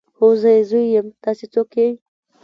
هو زه يې زوی يم تاسې څوک يئ.